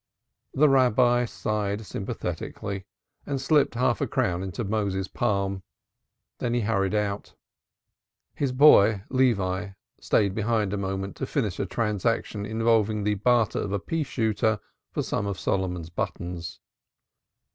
The Rabbi sighed sympathetically and slipped half a crown into Moses's palm. Then he hurried out. His boy, Levi, stayed behind a moment to finish a transaction involving the barter of a pea shooter for some of Solomon's buttons.